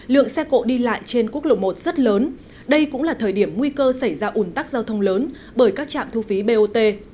lượng xe cộ đi lại trên quốc lộ một rất lớn đây cũng là thời điểm nguy cơ xảy ra ủn tắc giao thông lớn bởi các trạm thu phí bot